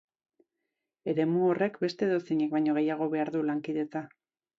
Eremu horrek beste edozeinek baino gehiago behar du lankidetza.